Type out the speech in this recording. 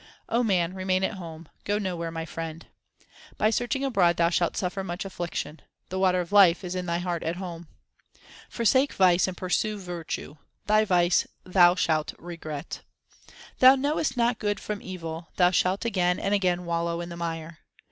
O man, remain at home ; go nowhere, my friend. By searching abroad thou shalt suffer much affliction ; the water of life is in thy heart at home. Forsake vice and pursue virtue ; thy vice thou shalt regret. Thou knowest not good from evil ; thou shalt again and again wallow in the mire.